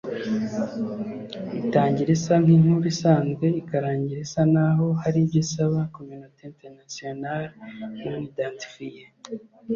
I tangira imeze nki inkuru isanzwe ikarangira isanaho hari ibyo isaba communaute internationale non- iidentified